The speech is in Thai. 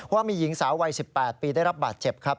ว่ามีหญิงสาววัย๑๘ปีได้รับบาดเจ็บครับ